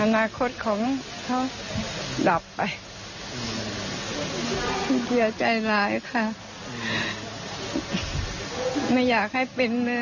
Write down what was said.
อย่าเสียใจร้ายลูกคิดถึงค่ะ